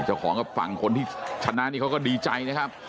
เจ้าของกับฝั่งคนที่ชนะนี่เขาก็ดีใจนะครับ